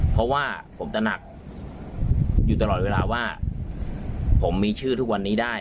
เพราะว่าผมตระหนักอยู่ตลอดเวลาว่าผมมีชื่อทุกวันนี้ได้